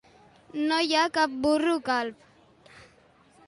No hi ha cap burro calb.